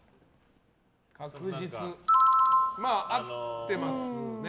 まあ、合ってますね。